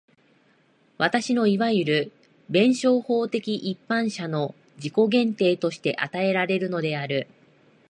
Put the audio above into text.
私のいわゆる弁証法的一般者の自己限定として与えられるのである。